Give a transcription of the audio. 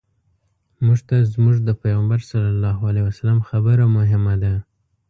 موږ ته زموږ د پیغمبر صلی الله علیه وسلم خبره مهمه ده.